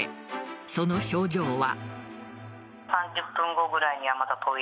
その症状は。